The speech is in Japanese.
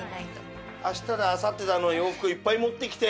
明日だあさってだの洋服いっぱい持ってきて。